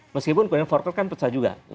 meskipun forkot kan pesat juga